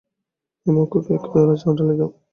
হেম, অক্ষয়কে এক পেয়ালা চা ঢালিয়া দাও।